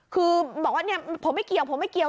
คือบอกว่าเนี่ยผมไม่เกี่ยวผมไม่เกี่ยว